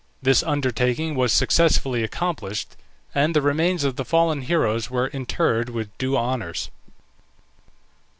This undertaking was successfully accomplished, and the remains of the fallen heroes were interred with due honours.